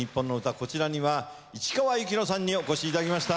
こちらには市川由紀乃さんにお越しいただきました。